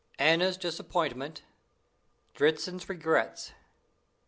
Anna's Disappointment. Dritzhn's Regrets.